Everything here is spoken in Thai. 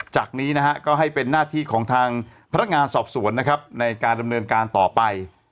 จากนี้นะฮะก็ให้เป็นหน้าที่ของทางพนักงานสอบสวนนะครับในการดำเนินการต่อไป